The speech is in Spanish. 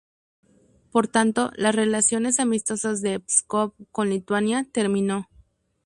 Por tanto, las relaciones amistosas de Pskov con Lituania terminó.